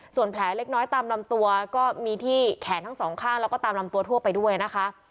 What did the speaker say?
ส่วนแผลเล็กน้อยตามลำตัวก็มีที่แขนทั้งสองข้างแล้วก็ตามลำตัวทั่วไปด้วยนะคะ